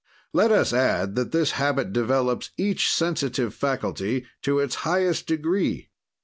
"Let us add that this habit develops each sensitive faculty to its highest degree.